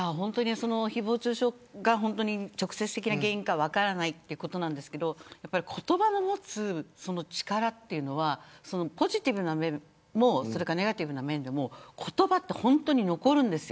誹謗中傷が直接的な原因かどうか分からないですけど言葉の持つ力というのはポジティブな面もネガティブな面も言葉というのは本当に残るんです。